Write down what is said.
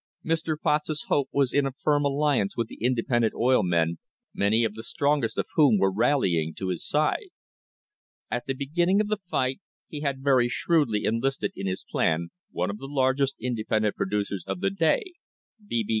Mr. Potts's hope was in a firm alliance with the independent oil men, many of the strongest of whom were rallying to his side. At the begin ning of the fight he had very shrewdly enlisted in his plan one of the largest independent producers of the day, B. B.